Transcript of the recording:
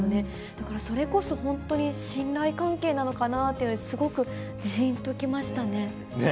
だからそれこそ本当に信頼関係なのかなって、すごくじーんときましたね。